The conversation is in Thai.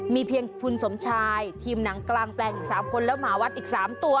มีเพียงคุณสมชายทีมหนังกลางแปลงอีก๓คนแล้วหมาวัดอีก๓ตัว